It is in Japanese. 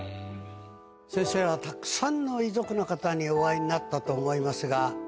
先生はたくさんの遺族の方にお会いになったと思いますが。